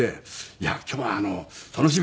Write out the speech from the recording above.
「いや今日は楽しみです」